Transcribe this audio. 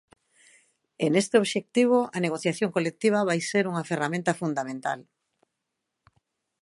E neste obxectivo, a negociación colectiva vai ser unha ferramenta fundamental.